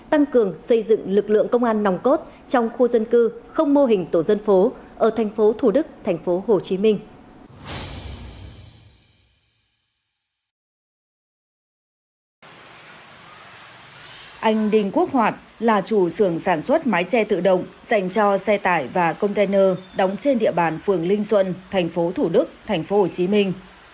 anh đinh quốc hoạt là chủ sưởng sản xuất mái che tự động dành cho xe tải và container đóng trên địa bàn phường linh xuân thành phố thủ đức thành phố hồ chí minh